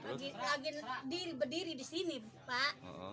lagi berdiri di sini pak